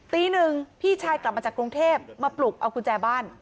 ตีหนึ่งพี่ชายกลับมาจากกรุงเทพมาปลุกเอากุญแจบ้าน